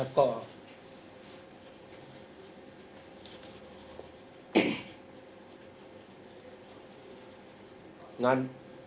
ไม่เคยกล้าสูตรที่เจอกัน